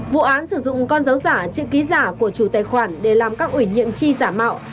vụ án sử dụng con dấu giả chữ ký giả của chủ tài khoản để làm các ủy nhiệm chi giả mạo